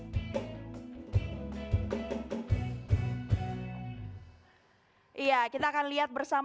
jadi kalau misalnya kita melakukan pemerintahan yang sangat berpengaruh